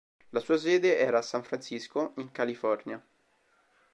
La sua sede era a San Francisco in California.